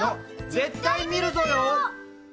絶対見るぞよ！